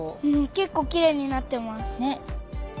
けっこうきれいになってます。